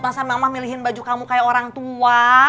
masa mama milihin baju kamu kayak orang tua